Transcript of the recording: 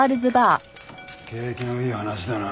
景気のいい話だな。